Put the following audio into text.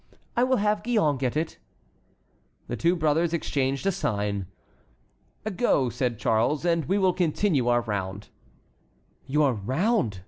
"I will have Gillonne get it." The two brothers exchanged a sign. "Go," said Charles, "and we will continue our round." "Your round!"